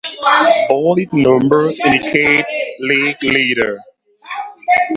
Bolded numbers indicate league leader.